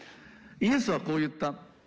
イエスはこう言った。